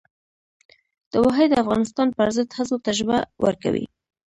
د واحد افغانستان پر ضد هڅو ته ژبه ورکوي.